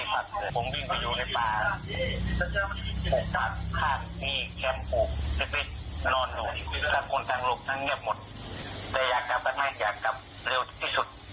อืมว่าแหงก็ไม่นอนแล้วผมก็ดูอยู่ที่แรกนึกว่าไม่ใช่